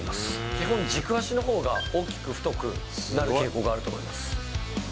基本、軸足のほうが大きく太くなる傾向があると思います。